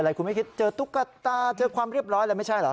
เจออะไรคุณไม่คิดเจอตุ๊กกะตาเจอความเรียบร้อยอะไรไม่ใช่เหรอ